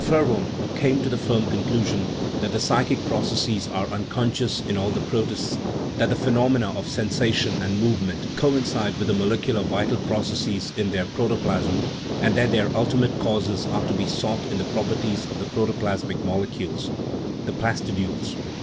Verworn came to the firm conclusion that the psychic processes are un conscious in all the protists, that the phenomena of sensation and movement coincide with the molecular vital processes in their protoplasm, and that their ulti mate causes are to be sought in the properties of the protoplasmic molecules (the plastidules)